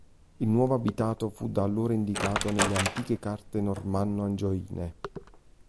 Il nuovo abitato fu da allora indicato nelle antiche carte normanno-angioine.